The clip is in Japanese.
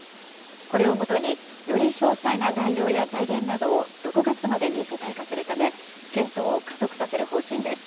これをもとに、より詳細な内容や財源などを６月までに具体化するため、検討を加速させる方針です。